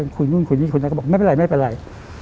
คุยนู่นคุยนี่คุณก็บอกไม่เป็นไร